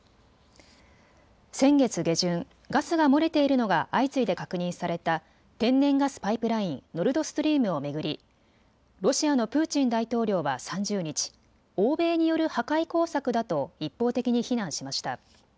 先月下旬、ガスが漏れているのが相次いで確認された天然ガスパイプライン、ノルドストリームを巡り、ロシアのプーチン大統領は３０日、欧米による破壊工作だと一方的に非難しました。